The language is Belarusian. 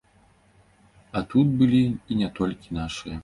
А тут былі і не толькі нашыя!